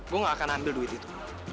gue gak akan ambil duit itu